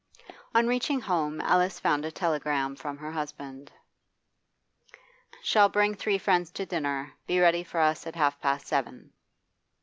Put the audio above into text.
On reaching home Alice found a telegram from her husband. 'Shall bring three friends to dinner. Be ready for us at half past seven.